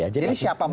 jadi siapa mas